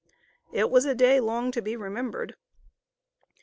It was a day long to be remembered.